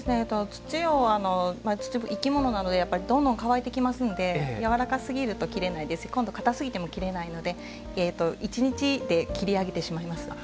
土、生き物なのでどんどん乾いてきますのでやわらかすぎると切れないですし硬すぎても切れないので１日で切り上げてしまいます。